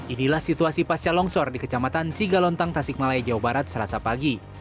inilah situasi pasca longsor di kecamatan cigalontang tasikmalaya jawa barat selasa pagi